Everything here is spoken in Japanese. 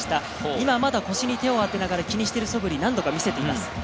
今、まだ腰に手を当てながら気にしているそぶりを何度か見せています。